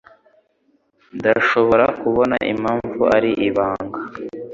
Ndashobora kubona impamvu ari ibanga.